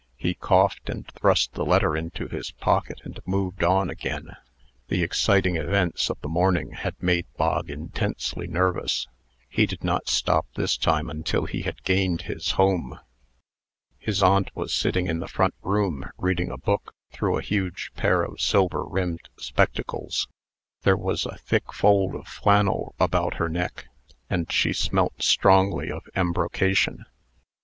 He coughed, and thrust the letter into his pocket, and moved on again. The exciting events of the morning had made Bog intensely nervous. He did not stop this time until he had gained his home. His aunt was sitting in the front room, reading a book through a huge pair of silver rimmed spectacles. There was a thick fold of flannel about her neck, and she smelt strongly of embrocation.